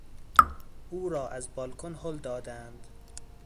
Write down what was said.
او را از بالکن هل دادند.